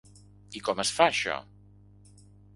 I com es fa això?